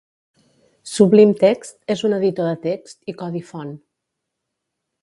Sublime Text és un editor de text i codi font.